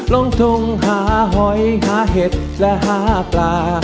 ลงทุนหาหอยหาเห็ดและหาปลา